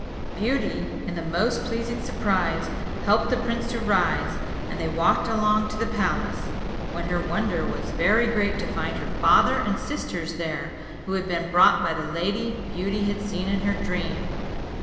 Beauty, in the most pleasing surprise, helped the prince to rise, and they walked along to the palace, when her wonder was very great to find her father and sisters there, who had been brought by the lady Beauty had seen in her dream.